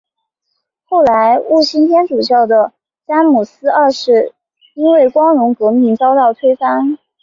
后来笃信天主教的詹姆斯二世因为光荣革命遭到推翻。